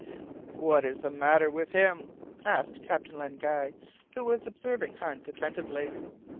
"What is the matter with him?" asked Captain Len Guy, who was observing Hunt attentively.